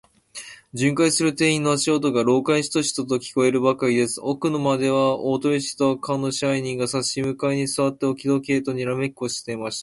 巡回する店員の足音が、廊下にシトシトと聞こえるばかりです。奥の間では、大鳥氏と門野支配人が、さし向かいにすわって、置き時計とにらめっこをしていました。